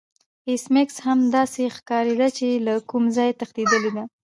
ایس میکس هم داسې ښکاریده چې له کوم ځای تښتیدلی دی